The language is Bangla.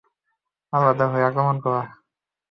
আলাদা হয়ে আক্রমণ করা!